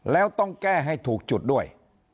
แล้วต้องแก้ให้ถูกจุดด้วย